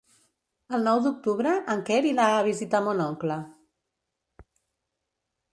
El nou d'octubre en Quer anirà a visitar mon oncle.